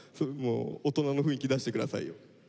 大人の雰囲気出して下さいよ。